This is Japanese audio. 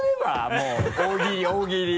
もう大喜利大喜利。